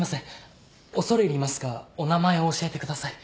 恐れ入りますがお名前を教えてください。